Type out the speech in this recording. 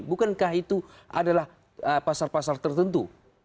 bukankah itu adalah pasar pasar tertentu